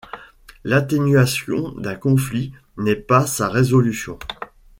L'atténuation d'un conflit n'est pas sa résolution.